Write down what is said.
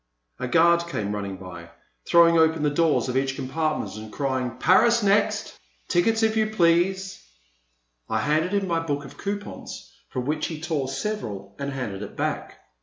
A guard came running by, throwing open the doors of each compartment, and crying, Paris next ! Tickets, if you please.*' I handed him my book of coupons from which he tore several and handed it back.